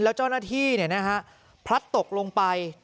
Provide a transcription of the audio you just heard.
แล้วเจ้าหน้าที่เนี่ยนะฮะพลัดตกลงไป